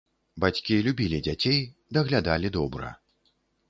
Бацькі любілі дзяцей, даглядалі добра.